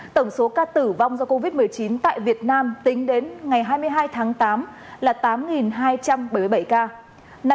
tổng số ca tử vong do covid một mươi chín tại việt nam tính đến ngày hai mươi hai tháng tám là tám hai trăm bảy mươi bảy ca